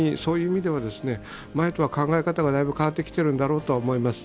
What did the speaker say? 前とは考え方がだいぶ変わってきているんだろうと思います。